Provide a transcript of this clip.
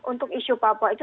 untuk isu papua itu